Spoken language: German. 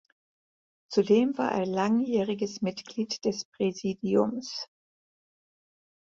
Zudem war er langjähriges Mitglied des Präsidiums.